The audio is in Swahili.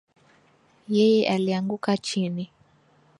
Yeye alianguka chini